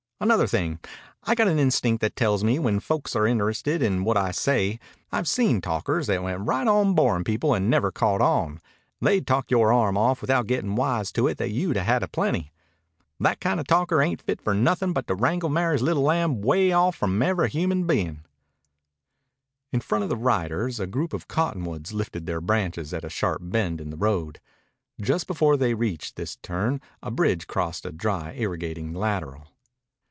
"Another thing. I got an instinct that tells me when folks are interested in what I say. I've seen talkers that went right on borin' people and never caught on. They'd talk yore arm off without gettin' wise to it that you'd had a plenty. That kind of talker ain't fit for nothin' but to wrangle Mary's little lamb 'way off from every human bein'." In front of the riders a group of cottonwoods lifted their branches at a sharp bend in the road. Just before they reached this turn a bridge crossed a dry irrigating lateral.